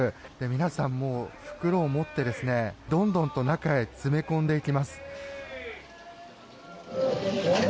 皆さん袋を持ってどんどんと中へ詰め込んでいきます。